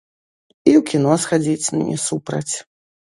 І ў кіно схадзіць не супраць.